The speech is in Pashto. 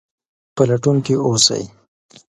پلټونکي اوسئ.